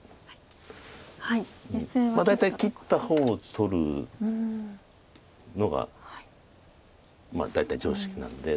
大体切った方を取るのがまあ大体常識なんで。